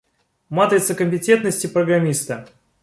Матрица компетентности программиста.